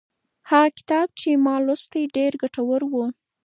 هغه کتاب چې ما لوستلی ډېر ګټور و.